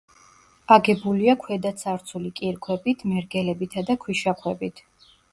აგებულია ქვედაცარცული კირქვებით, მერგელებითა და ქვიშაქვებით.